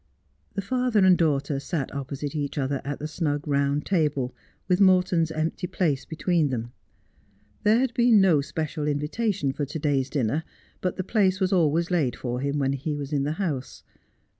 The father and daughter sat opposite each other at the snug round table, with Morton's empty place between them. There had been no special invitation for to day's dinner, but the place was always laid for him when he was in the house.